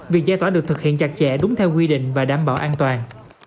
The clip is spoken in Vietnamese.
việc giải tỏa được thực hiện chặt chẽ đúng theo quy định và đảm bảo an toàn